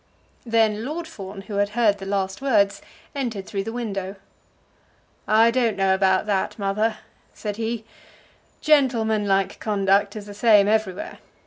Then Lord Fawn, who had heard the last words, entered through the window. "I don't know about that, mother," said he. "Gentleman like conduct is the same everywhere.